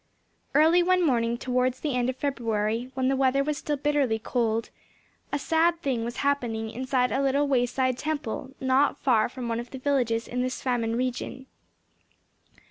Early one morning towards the end of February when the weather was still bitterly cold, a sad thing was happening inside a little wayside temple not far from one of the villages in this famine region.